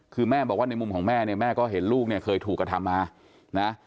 คือแม่บอกว่าในมุมของแม่เนี่ยแม่ก็เห็นลูกเนี่ยเคยถูกกระทำมานะ